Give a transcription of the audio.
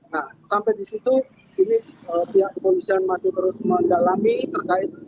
nah sampai di situ ini pihak kepolisian masih terus mendalami terkait